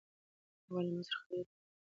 هغه له ما سره خبرې کول خوښوي.